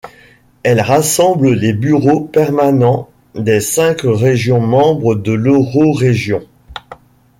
Elle rassemble les bureaux permanents des cinq régions membres de l'Eurorégion.